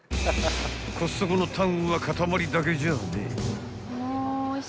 ［コストコのタンは塊だけじゃねえ］